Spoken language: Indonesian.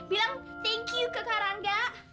bilang thank you ke karangga